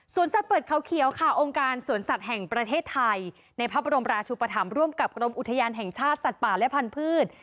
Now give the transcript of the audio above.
ส่วนสัตว์เปิดเขาเขียวค่ะองค์การสวนสัตว์แห่งประเทศไทยในพระบรมราชุปธรรมร่วมกับกรมอุทยานแห่งชาติสัตว์ป่าและพันธุ์